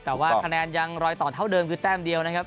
แต่ว่าคะแนนยังรอยต่อเท่าเดิมคือแต้มเดียวนะครับ